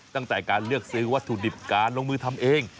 ตั้งแต่การเลือกซื้อวัตถุดิบการลงมือทำเอง